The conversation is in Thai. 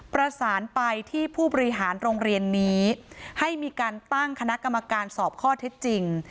ประสานไปที่ผู้บริหารโรงเรียนนี้ให้มีการตั้งคณะกรรมการสอบข้อเท็จจริง